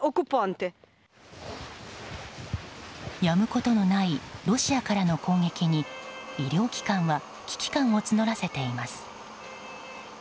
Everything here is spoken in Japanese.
やむことのないロシアからの攻撃に医療機関は危機感を募らせています。